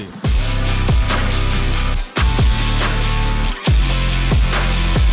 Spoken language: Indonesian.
pembangunan pembangunan pembangunan pembangunan pembangunan